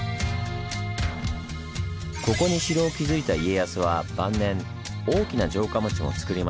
ここに城を築いた家康は晩年大きな城下町もつくりました。